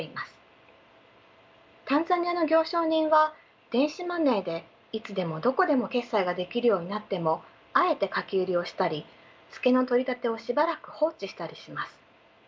タンザニアの行商人は電子マネーでいつでもどこでも決済ができるようになってもあえて掛け売りをしたりツケの取り立てをしばらく放置したりします。